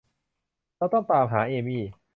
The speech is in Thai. เราต้องตามหาเอมี่